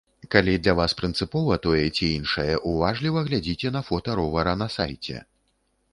Калі для вас прынцыпова тое ці іншае, уважліва глядзіце на фота ровара на сайце.